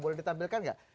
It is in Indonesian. boleh ditampilkan nggak